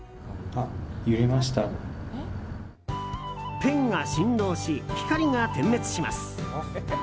ペンが振動し、光が点滅します。